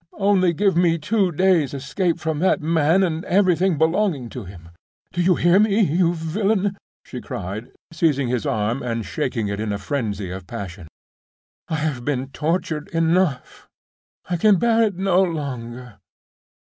Only give me two days' escape from that man and everything belonging to him! Do you hear, you villain?" she cried, seizing his arm and shaking it in a frenzy of passion; "I have been tortured enough—I can bear it no longer!"